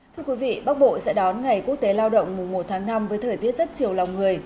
thưa quý vị bắc bộ sẽ đón ngày quốc tế lao động mùa một tháng năm với thời tiết rất chiều lòng người